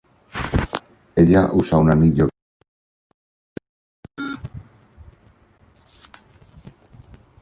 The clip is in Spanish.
Ella usa un anillo que le dio su madre como dije de su collar.